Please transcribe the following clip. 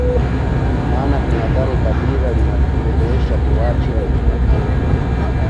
maana tunadhani kabila linatufedhehesha tuache ulimbukeni